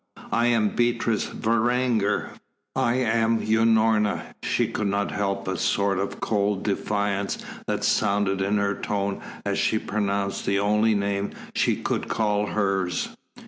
"I am Beatrice Varanger." "I am Unorna." She could not help a sort of cold defiance that sounded in her tone as she pronounced the only name she could call hers.